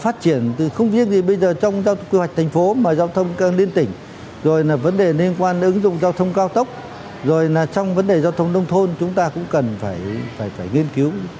phát triển không biết gì bây giờ trong giao thông quy hoạch thành phố mà giao thông liên tỉnh rồi là vấn đề liên quan ứng dụng giao thông cao tốc rồi là trong vấn đề giao thông nông thôn chúng ta cũng cần phải nghiên cứu